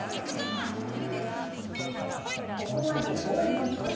ここまで５位の巨人。